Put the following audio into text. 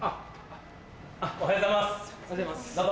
おはようございますどうぞ。